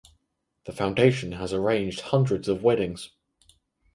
The foundation has arranged hundreds of weddings.